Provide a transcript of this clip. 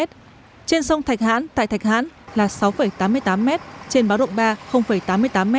trên sông thạch hãn tại thạch hãn là sáu tám mươi tám m trên báo động ba tám mươi tám m